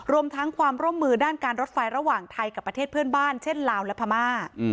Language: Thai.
รวมทั้งความร่วมมือด้านการรถไฟระหว่างไทยกับประเทศเพื่อนบ้านเช่นลาวและพม่า